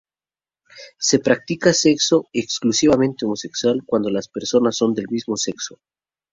Se practica sexo exclusivamente homosexual cuando las tres personas son del mismo sexo.